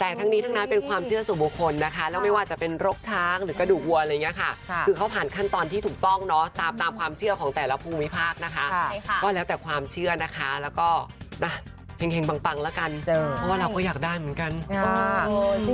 แต่ทั้งนี้ทั้งนั้นเป็นความเชื่อสู่บุคคลนะคะแล้วไม่ว่าจะเป็นรกช้างหรือกระดูกวัวอะไรอย่างนี้ค่ะคือเขาผ่านขั้นตอนที่ถูกต้องเนาะตามความเชื่อของแต่ละภูมิภาคนะคะก็แล้วแต่ความเชื่อนะคะแล้วก็เห็งปังแล้วกันเพราะว่าเราก็อยากได้เหมือนกัน